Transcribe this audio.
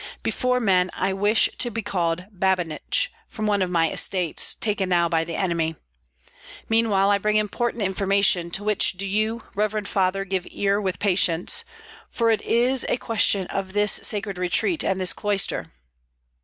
Before men I wish to be called Babinich, from one of my estates, taken now by the enemy. Meanwhile I bring important information to which do you, revered father, give ear with patience, for it is a question of this sacred retreat and this cloister."